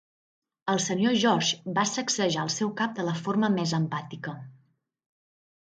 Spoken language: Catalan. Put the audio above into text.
El Sr. George va sacsejar el seu cap de la forma més empàtica.